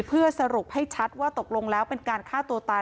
เพื่อสรุปให้ชัดว่าตกลงแล้วเป็นการฆ่าตัวตาย